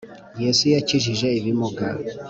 Yesu yakijije ibimuga.